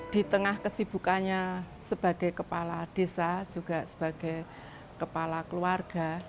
di tengah kesibukannya sebagai kepala desa juga sebagai kepala keluarga